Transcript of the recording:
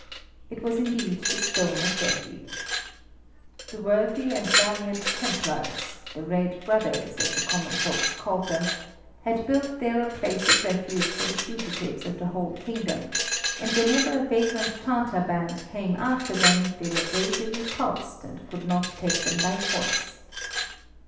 It was indeed the Stone of Refuge. The worthy and valiant Templars, the Red Brothers, as the common folks called them, had built there a place of refuge for the fugitives of the whole kingdom, and whenever a vagrant Tatar band came after them they were bravely repulsed, and could not take them by force.